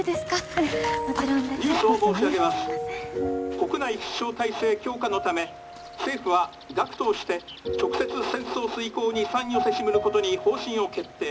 国内必勝体制強化のため政府は学徒をして直接戦争遂行に参与せしむることに方針を決定」。